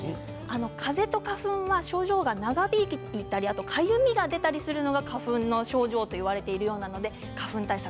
かぜと花粉は症状が長引いたりかゆみが出たりするのが花粉の症状といわれているようなので花粉対策